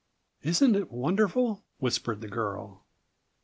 "Isn't it wonderful?" whispered the girl.